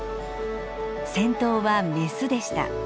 先頭はメスでした。